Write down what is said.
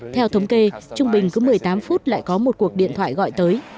theo thống kê trung bình cứ một mươi tám phút lại có một cuộc điện thoại gọi tới